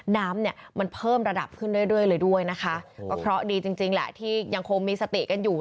น้ำเนี่ยมันเพิ่มระดับขึ้นเรื่อยเรื่อยเลยด้วยนะคะก็เคราะห์ดีจริงจริงแหละที่ยังคงมีสติกันอยู่